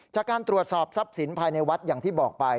จากการตรวจสอบทรัพย์สินภายในวัดอย่างที่บอกไป